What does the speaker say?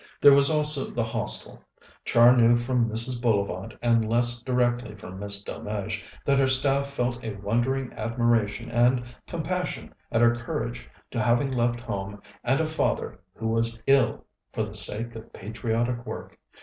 There was also the Hostel. Char knew from Mrs. Bullivant, and less directly from Miss Delmege, that her staff felt a wondering admiration and compassion at her courage in having left home and a father who was ill for the sake of patriotic work.